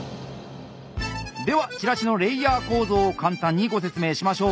ではチラシのレイヤー構造を簡単にご説明しましょう。